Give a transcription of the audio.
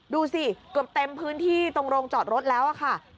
ดูสิเกือบเต็มพื้นที่ตรงโรงจอดรถแล้วค่ะ